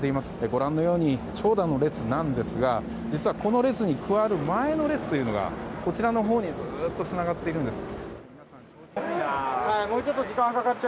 ご覧のように長蛇の列なんですが実はこの列に加わる前の列というのがこちらのほうにずっとつながっているんです。